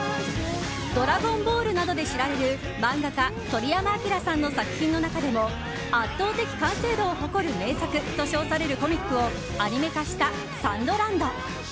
「ドラゴンボール」などで知られる漫画家鳥山明さんの作品の中でも圧倒的完成度を誇る名作と称されるコミックをアニメ化した「ＳＡＮＤＬＡＮＤ」。